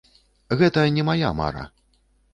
Гэта не мая мара.